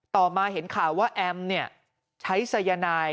ต่อมาเห็นข่าวว่าแอมใช้สายนาย